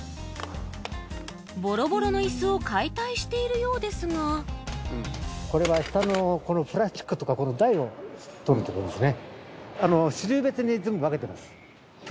ボロボロの椅子を解体しているようですがこれは下のこのプラスチックとかこの台を取ってるんですね